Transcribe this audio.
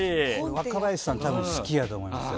若林さん多分好きやと思いますよ。